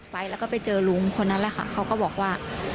ไปแล้วก็ไปเจอลุงคนนั้นแหละค่ะเขาก็บอกว่า